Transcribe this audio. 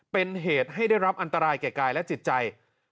เป็นเหตุให้ได้รับอันตรายแก่กายและจิตใจ